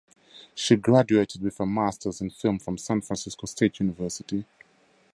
She graduated with a Masters in film from San Francisco State University.